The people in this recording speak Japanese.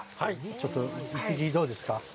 ちょっと１匹、どうですか。